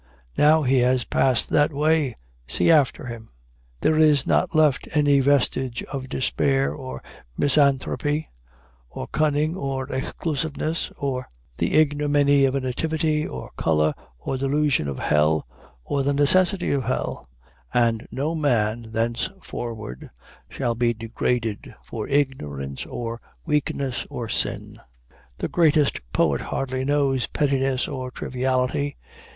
Now he has passed that way, see after him! There is not left any vestige of despair, or misanthropy, or cunning, or exclusiveness, or the ignominy of a nativity or color, or delusion of hell or the necessity of hell and no man thenceforward shall be degraded for ignorance or weakness or sin. The greatest poet hardly knows pettiness or triviality.